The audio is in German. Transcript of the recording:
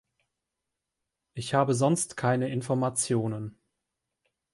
Ich habe sonst keine Informationen.